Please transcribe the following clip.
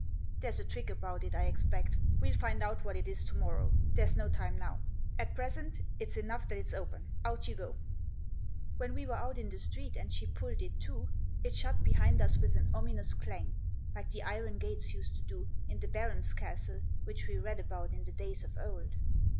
There's a trick about it I expect ; we'll find out what it is to morrow, there's no time now. At present it's enough that it's open ; out you go 1 " When we were out in the street, and she pulled it to, it shut behind us with an ominous clang, like the iron gates used to do in the barons' castle which we read about in the days of old.